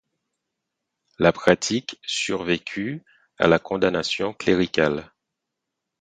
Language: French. La pratique survécut à la condamnation cléricale.